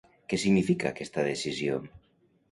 Què significa aquesta decisió?